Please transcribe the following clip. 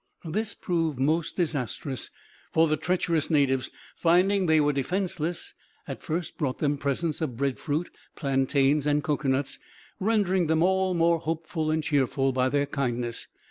This proved most disastrous; for the treacherous natives, finding they were defenceless, at first brought them presents of breadfruit, plantains and cocoanuts, rendering them all more hopeful and cheerful by their kindness.